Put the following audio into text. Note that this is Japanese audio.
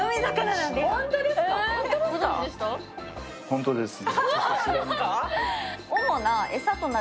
本当です。